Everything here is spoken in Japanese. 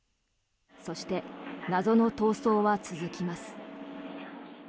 そして、謎の逃走は続きます。